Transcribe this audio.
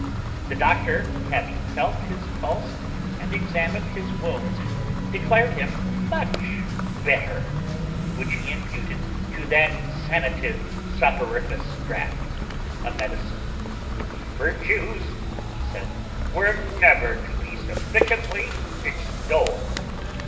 The doctor, having felt his pulse and examined his wounds, declared him much better, which he imputed to that sanative soporiferous draught, a medicine "whose virtues," he said, "were never to be sufficiently extolled."